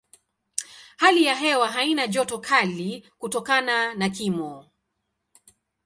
Hali ya hewa haina joto kali kutokana na kimo.